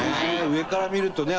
上から見るとね